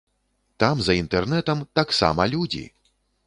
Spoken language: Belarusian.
Там за інтэрнэтам таксама людзі!